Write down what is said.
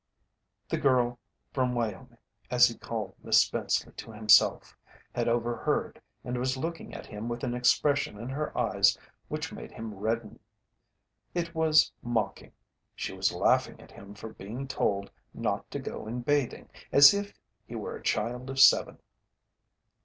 "The girl from Wyoming," as he called Miss Spenceley to himself, had overheard and was looking at him with an expression in her eyes which made him redden. It was mocking; she was laughing at him for being told not to go in bathing, as if he were a child of seven.